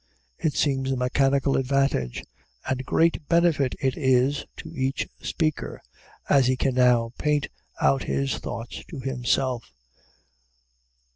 It seems a mechanical advantage, and great benefit it is to each speaker, as he can now paint out his thought to himself.